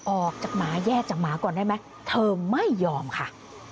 ออกจากหมาแยกจากหมาก่อนได้ไหมเธอไม่ยอมค่ะ